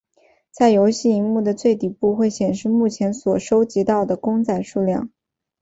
在游戏萤幕的最底部会显示目前所收集到的公仔数量。